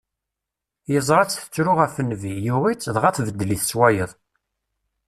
Yeẓra-tt tettru ɣef nnbi, yuɣ-itt, dɣa tbeddel-it s wayeḍ.